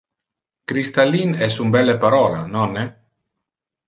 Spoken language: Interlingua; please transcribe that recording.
"Crystallin" es un belle parola, nonne?